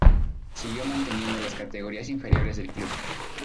Siguió manteniendo las categorías inferiores del club.